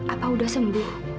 apa udah sembuh